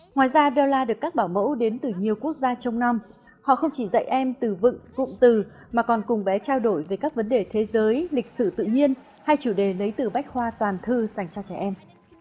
ngoài ra vella được các bảo mẫu đến từ nhiều quốc gia trong năm họ không chỉ dạy em từ vựng cụm từ mà còn cùng bé trao đổi về các vấn đề thế giới lịch sử tự nhiên hay chủ đề lấy từ bách khoa toàn thư dành cho trẻ em